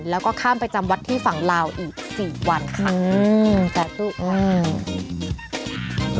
แล้วก็ข้ามไปจำวัดที่ฝั่งลาวอีกสี่วันค่ะอืม